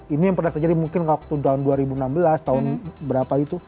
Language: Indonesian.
ini yang pernah terjadi mungkin waktu tahun dua ribu enam belas tahun berapa itu